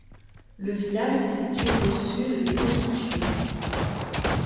Le village est situé au sud de Posušje.